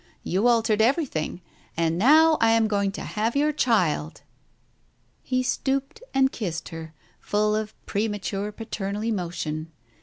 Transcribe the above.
You altered everything. And now I am going to have your child!" He stooped and kissed her, full of premature paternal emotion.